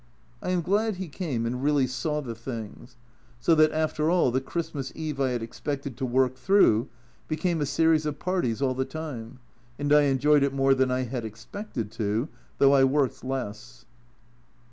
I am glad he came and really saw the things. So that, after all, the Christmas eve I had expected to work through became a series of "parties" all the time, and I enjoyed it more than I had expected to, though I worked less.